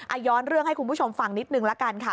ย้อนเรื่องให้คุณผู้ชมฟังนิดนึงละกันค่ะ